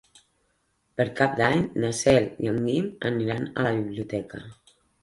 Per Cap d'Any na Cel i en Guim aniran a la biblioteca.